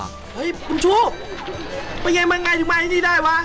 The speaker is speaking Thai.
เฮ้ยคุณชูเป็นไงมาไงถึงมาที่นี่ได้วะ